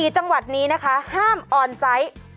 ๔จังหวัดนี้นะคะห้ามออนไซต์